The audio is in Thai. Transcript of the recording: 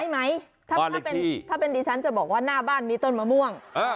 ไหมถ้าเป็นดิฉันจะบอกว่าหน้าบ้านมีต้นมะม่วง